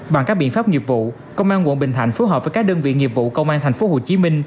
bằng các biện pháp nghiệp vụ công an quận bình thạnh phối hợp với các đơn vị nghiệp vụ công an tp hcm